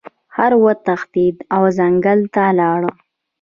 خر وتښتید او ځنګل ته لاړ.